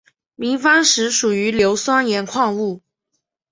明矾石属于硫酸盐矿物。